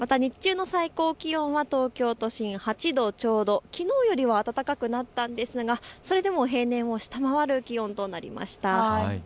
日中の最高気温は東京都心、８度ちょうど、きのうより暖かくなったんですがそれでも平年を下回る気温となりました。